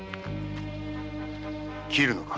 斬るのか？